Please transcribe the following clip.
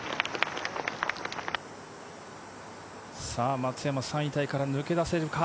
松山、３位タイから抜け出せるか。